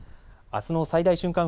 あすの最大瞬間